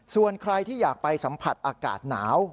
ส่วนใครที่อยากไปสัมผัสอากาศหนาว